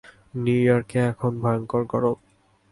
New ইয়র্কে এখন ভয়ঙ্কর গরম।